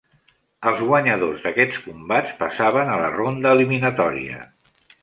Els guanyadors d'aquests combats passaven a la ronda eliminatòria.